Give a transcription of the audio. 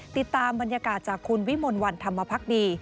ติดตามบรรยากาศจากคุณวิมลวันธรรมพักดี